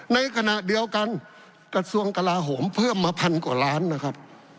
ในขณะเดียวกันกระทรวงกลาโหมเพิ่มมาพันกว่าล้านนะครับ